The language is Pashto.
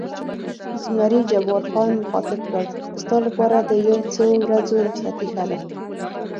زمري جبار خان مخاطب کړ: ستا لپاره د یو څو ورځو رخصتي ښه ده.